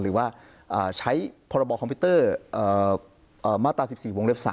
หรือว่าใช้พรบคอมพิวเตอร์มาตรา๑๔วงเล็บ๓